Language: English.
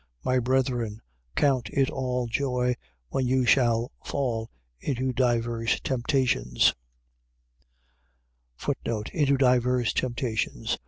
1:2. My brethren, count it all joy, when you shall fall into divers temptations: Into divers temptations.